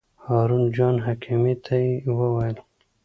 هارون جان حکیمي ته یې وویل.